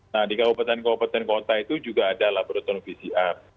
nah di kabupaten kabupaten kota itu juga ada laboratorium pcr